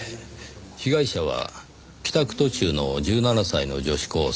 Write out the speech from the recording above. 被害者は帰宅途中の１７歳の女子高生笹山明希さん。